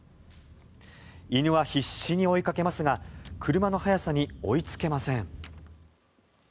犬は必死に追いかけますが車の速さに追いつけません。